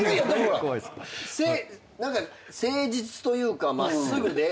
誠実というか真っすぐで。